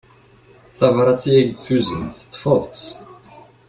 Tabrat i ak-d-tuzen teṭṭfeḍ-tt.